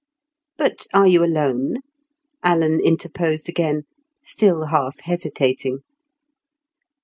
"But are you alone?" Alan interposed again, still half hesitating.